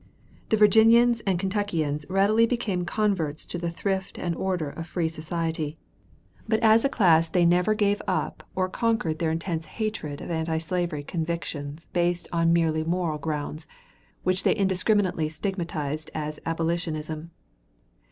The Virginians and Kentuckians readily became converts to the thrift and order of free society; but as a class they never gave up or conquered their intense hatred of antislavery convictions based on merely moral grounds, which they indiscriminately stigmatized as "abolitionism."